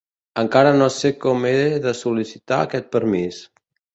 Encara no sé com he de sol·licitar aquest permís.